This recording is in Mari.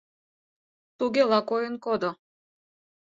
Тугела койын кодо.